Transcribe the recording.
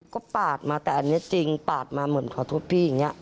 ก็ปาดมาแต่อันนี้จริงปาดมาเหมือนขอโทษพี่อย่างนี้